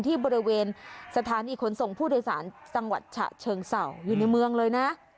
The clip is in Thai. ที่บริเวณสถานีขนส่งผู้โดยสารสังวัติศาสตร์เชิงเสาอยู่ในเมืองเลยนะ